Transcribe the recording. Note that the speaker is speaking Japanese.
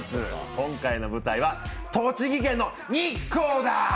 今回の舞台は栃木県の日光だ！